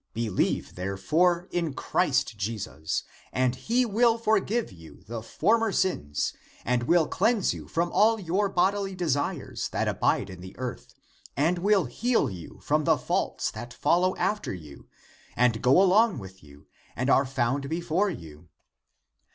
Believe, therefore, in Christ Jesus, and he will forgive you the former sins and w^ill cleanse you from all your bodily desires that abide in the earth, and will heal you from the faults that follow after you, and go along with you, and are found before you.